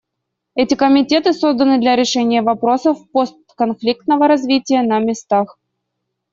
Эти комитеты созданы для решения вопросов постконфликтного развития на местах.